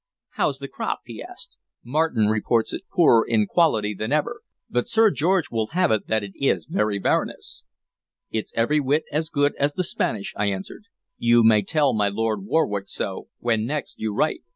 "How's the crop?" he asked. "Martin reports it poorer in quality than ever, but Sir George will have it that it is very Varinas." "It's every whit as good as the Spanish," I answered. "You may tell my Lord Warwick so, when next you write."